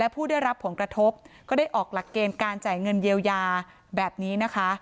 ผู้ได้รับผลกระทบก็ได้ออกหลักเกณฑ์การจ่ายเงินเยียวยาแบบนี้นะคะ